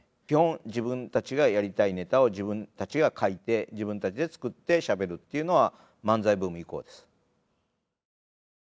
基本自分たちがやりたいネタを自分たちが書いて自分たちで作ってしゃべるっていうのは漫才ブーム以降です。